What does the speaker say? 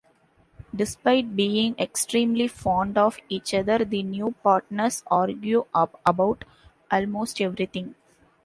Despite being extremely fond of each other, the new partners argue about almost everything.